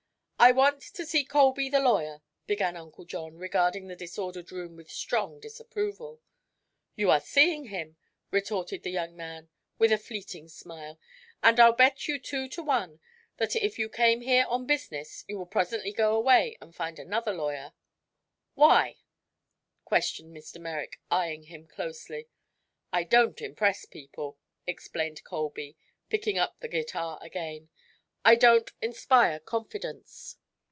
"I want to see Colby, the lawyer," began Uncle John, regarding the disordered room with strong disapproval. "You are seeing him," retorted the young man, with a fleeting smile, "and I'll bet you two to one that if you came here on business you will presently go away and find another lawyer." "Why?" questioned Mr. Merrick, eyeing him more closely. "I don't impress people," explained Colby, picking up the guitar again. "I don't inspire confidence.